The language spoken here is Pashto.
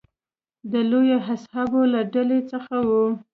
د لویو اصحابو له ډلې څخه و.